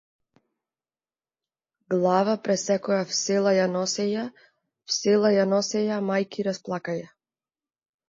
Глава пресекоја в села ја носеја, в села ја носеја мајки расплакаја.